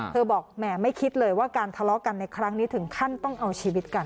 บอกแหมไม่คิดเลยว่าการทะเลาะกันในครั้งนี้ถึงขั้นต้องเอาชีวิตกัน